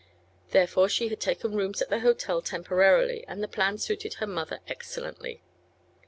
Therefore she had taken rooms at the hotel temporarily, and the plan suited her mother excellently.